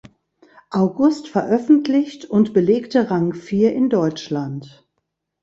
August veröffentlicht und belegte Rang vier in Deutschland.